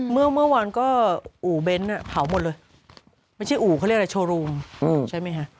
เมื่อวันก็อุเป็นส์อ่ะเผาหมดเลยไม่ใช่อุเขาเรียกอะไรเช่ารูมใช่มั้ยแฮะ